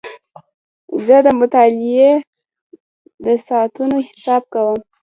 زه د مطالعې د ساعتونو حساب کوم.